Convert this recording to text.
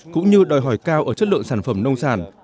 cũng như đòi hỏi cao ở chất lượng sản phẩm nông sản